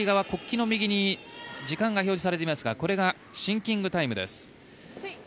国旗の右に時間が表示されていますがこれがシンキングタイムです。